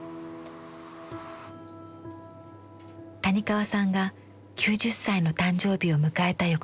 谷川さんが９０歳の誕生日を迎えた